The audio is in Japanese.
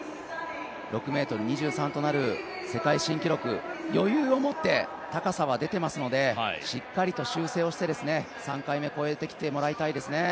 ６ｍ２３となる世界新記録、余裕を持って高さは出てますのでしっかりと修正をして３回目超えてきてもらいたいですね。